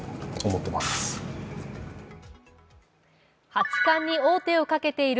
八冠に王手をかけている